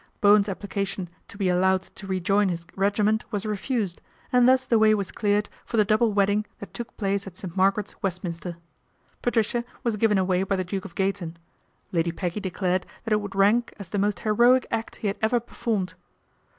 Bowen's application to be allowed to rejoin his regiment was refused, and thus the way was cleared for the double wedding that took place at St. Margaret's, Westminster. Patricia was given away by the Duke of Gayton Lady Peggy declared that it would rank as the most heroic act he had ever performed.